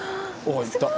あいった。